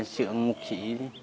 sượng ngục xỉ